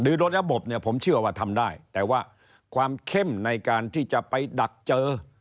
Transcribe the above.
รถระบบเนี่ยผมเชื่อว่าทำได้แต่ว่าความเข้มในการที่จะไปดักเจอ